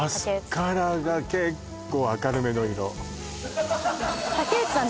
マスカラが結構明るめの色竹内さん